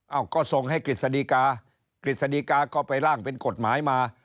ก็ส่งให้กฤษฎีกากฤษฎีกาก็ไปร่างเป็นกฎหมายมา